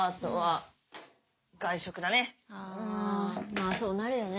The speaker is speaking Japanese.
まぁそうなるよね。